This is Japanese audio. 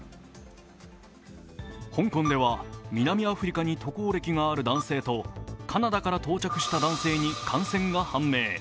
香港では南アフリカに渡航歴がある男性とカナダから到着した男性に感染が判明。